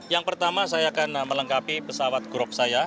yang pertama saya akan melengkapi pesawat grop saya